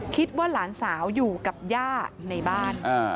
คิดว่าหลานสาวอยู่กับย่าในบ้าน